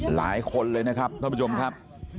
หลายคนเลยนะครับท่านผู้ชมครับ